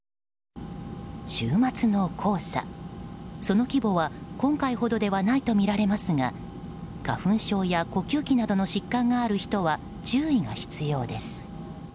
週末の黄砂、その規模は今回ほどではないとみられますが花粉症や呼吸器などの疾患がある人は注意が必要です。